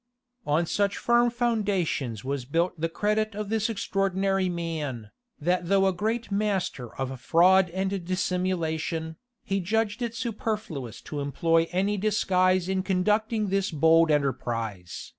On such firm foundations was built the credit of this extraordinary man, that though a great master of fraud and dissimulation, he judged it superfluous to employ any disguise in conducting this bold enterprise.